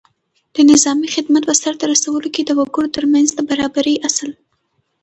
د نظامي خدمت په سرته رسولو کې د وګړو تر منځ د برابرۍ اصل